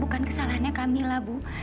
bukan kesalahan kamila bu